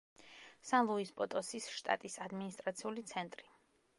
სან-ლუის-პოტოსის შტატის ადმინისტრაციული ცენტრი.